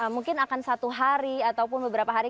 mungkin akan satu hari ataupun beberapa hari